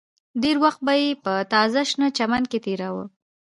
ډېر وخت به یې په تازه شنه چمن کې تېراوه